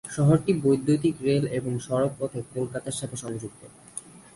শহরটি বৈদ্যুতিক রেল এবং সড়কপথে কলকাতার সাথে যুক্ত।